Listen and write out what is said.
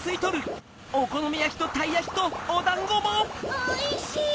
おいしい！